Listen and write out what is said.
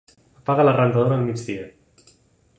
Apaga la rentadora al migdia.